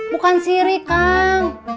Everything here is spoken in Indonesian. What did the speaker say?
bukan sirik kang